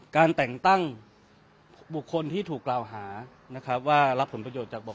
การแต่งตั้งบุคคลที่ถูกกล่าวหานะครับว่ารับผลประโยชน์จากบ่อ